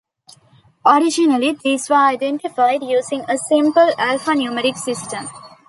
Originally, these were identified using a simple alphanumeric system.